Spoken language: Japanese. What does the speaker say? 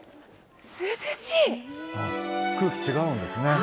空気、違うんですね。